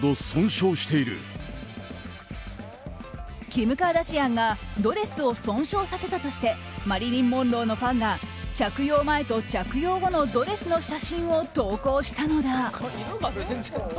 キム・カーダシアンがドレスを損傷させたとしてマリリン・モンローのファンが着用前と着用後のドレスの写真を投稿したのだ。